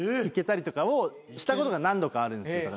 いけたりとかをしたことが何度かあるんです。